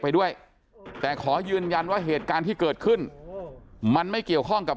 ไปด้วยแต่ขอยืนยันว่าเหตุการณ์ที่เกิดขึ้นมันไม่เกี่ยวข้องกับ